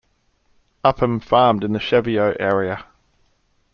Upham farmed in the Cheviot area.